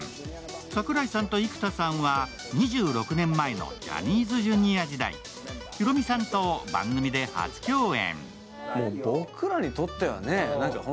櫻井さんと生田さんは２６年前のジャニーズＪｒ．時代、ヒロミさんと番組で初共演。